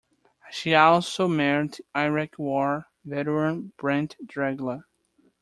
She also married Iraq war veteran Brent Dragila.